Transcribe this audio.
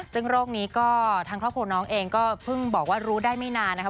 ซึ่งโรคนี้ก็ทางครอบครัวน้องเองก็เพิ่งบอกว่ารู้ได้ไม่นานนะคะ